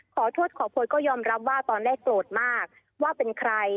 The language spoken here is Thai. ขอโทษขอโพยก็ยอมรับว่าตอนแรกโกรธมากว่าเป็นใคร